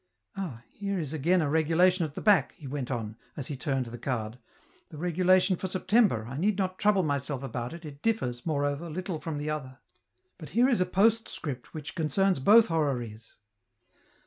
..." Ah, here is again a regulation at the back," he went on, as he turned the card, " the regulation for September, I need not trouble myself about it, it differs, moreover, little from the other ; but here is a postcript which concerns both horaries."